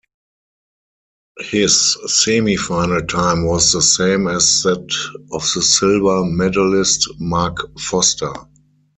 His semifinal time was the same as that of the silver medalist Mark Foster.